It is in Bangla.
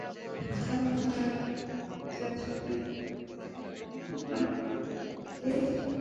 তবে মনোনয়ন পাওয়া চারজনের মধ্যে আমার নামটি আছে, এতেই আমি খুশি।